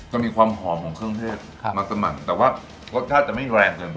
มีความหอมของเครื่องเทศมาสมัครแต่ว่ารสชาติจะไม่แรงเกินไป